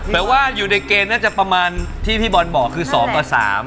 ว่าอยู่ในเกณฑ์น่าจะประมาณที่พี่บอลบอกคือ๒ต่อ๓